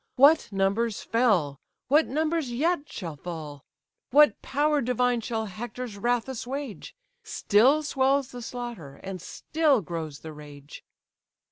What numbers fell! what numbers yet shall fall! What power divine shall Hector's wrath assuage? Still swells the slaughter, and still grows the rage!"